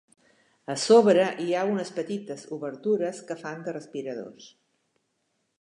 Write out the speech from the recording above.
A sobre hi ha unes petites obertures que fan de respiradors.